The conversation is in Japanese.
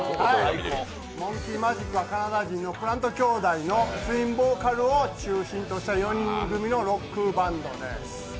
ＭＯＮＫＥＹＭＡＪＩＫはカナダ人のプラント兄弟のツインボーカルを中心とした４人組のロックバンドです。